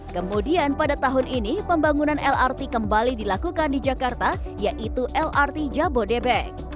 kemudian pada tahun ini pembangunan lrt kembali dilakukan di jakarta yaitu lrt jabodebek